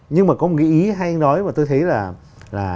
nhưng mà có một cái ý hay nói mà tôi thấy là